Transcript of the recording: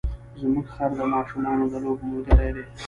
زموږ خر د ماشومانو د لوبو ملګری دی.